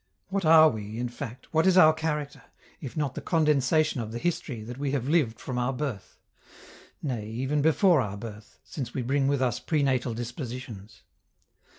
What are we, in fact, what is our character, if not the condensation of the history that we have lived from our birth nay, even before our birth, since we bring with us prenatal dispositions?